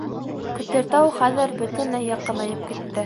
Көтөртау хәҙер бөтөнләй яҡынайып китте.